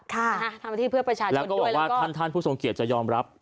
ทำหน้าที่เพื่อประชาชนแล้วก็บอกว่าท่านท่านผู้ทรงเกียจจะยอมรับ